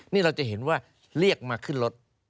นี่เราจะเห็นว่าเรียกมาขึ้นรถ